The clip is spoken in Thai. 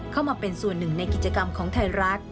เข้ามาเป็นส่วนหนึ่งในกิจกรรมของไทยรัฐ